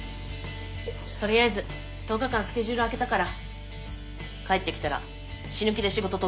とりあえず１０日間スケジュール空けたから帰ってきたら死ぬ気で仕事取ってくるからね。